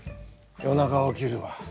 夜中起きるわ。